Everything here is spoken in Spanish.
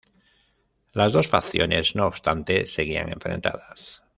Las dos facciones, no obstante, seguían enfrentadas.